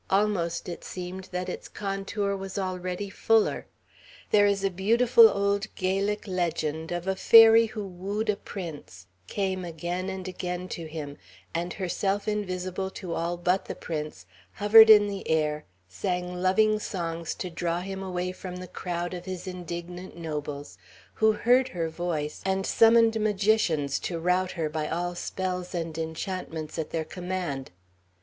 Almost it seemed that its contour was already fuller. There is a beautiful old Gaelic legend of a Fairy who wooed a Prince, came again and again to him, and, herself invisible to all but the Prince, hovered in the air, sang loving songs to draw him away from the crowd of his indignant nobles, who heard her voice and summoned magicians to rout her by all spells and enchantments at their command.